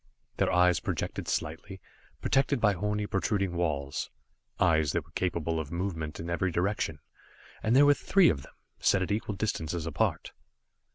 Their eyes projected slightly, protected by horny protruding walls eyes that were capable of movement in every direction and there were three of them, set at equal distances apart.